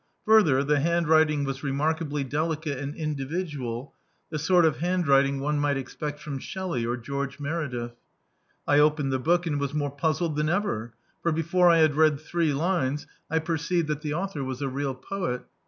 Further, the hand writing was remarkably delicate and individual : the sort of handwriting one mi^t expect fran Shelley or Geoige Meredith. I opened the book, and was more puzzled than ever; for before I had read three lines I perceived that the author was a real poet.